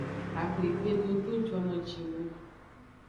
Axwegbe dodo jono ji nung.